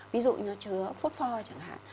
ví dụ như nó chứa phốt pho chẳng hạn